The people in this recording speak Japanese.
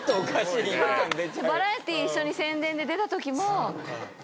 バラエティー一緒に宣伝で出たときもガッて。